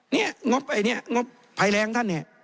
นี่งบไอ้นี่งบไผลแรงท่านเนี่ย